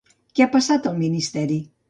Què ha passat al Ministeri?